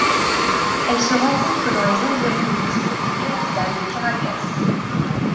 Elle se rencontre dans les environs du district capitale de Caracas.